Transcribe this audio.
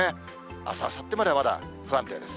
あす、あさってまでは、まだ不安定です。